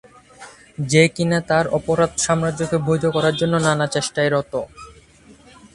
যে কিনা তার অপরাধ সাম্রাজ্যকে বৈধ করার জন্য নানা চেষ্টায় রত।